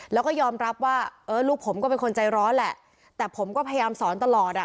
แล้วก็ยอมรับว่าเออลูกผมก็เป็นคนใจร้อนแหละแต่ผมก็พยายามสอนตลอดอ่ะ